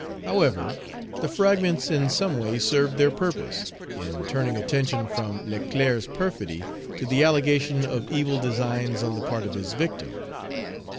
However, the fragments in some way served their purpose, in turning attention from Leclerc's perfidy to the allegation of evil designs on the part of his victim.